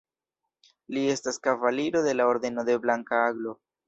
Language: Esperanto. Li estas Kavaliro de la Ordeno de Blanka Aglo.